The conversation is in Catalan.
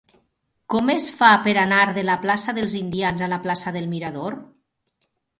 Com es fa per anar de la plaça dels Indians a la plaça del Mirador?